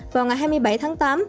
vào ngày hai mươi bảy tháng tám